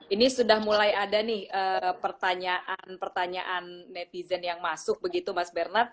ini sudah mulai ada nih pertanyaan pertanyaan netizen yang masuk begitu mas bernard